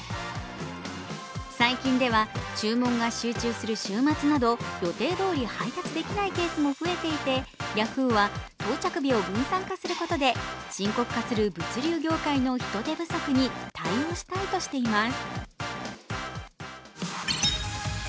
最近では注文が集中する週末など予定どおり配達できないケースも増えていて、Ｙａｈｏｏ！は到着日を分散化することで、深刻化する物流業界の人手不足に対応したいとしています。